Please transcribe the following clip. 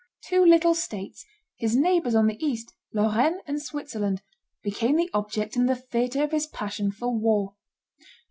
Two little states, his neighbors on the east, Lorraine and Switzerland, became the object and the theatre of his passion for war.